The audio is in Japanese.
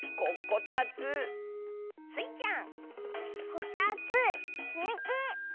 「こたつつみき」！